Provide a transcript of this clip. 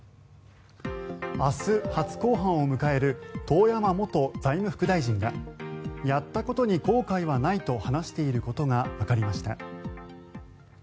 明日、初公判を迎える遠山元財務副大臣がやったことに後悔はないと話していることがわかりました。